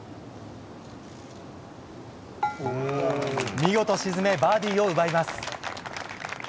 見事沈め、バーディーを奪います。